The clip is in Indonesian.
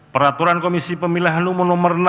peraturan komisi pemilihan umum nomor enam